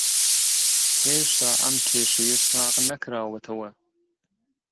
هێشتا ئەم کێشەیە ساغ نەکراوەتەوە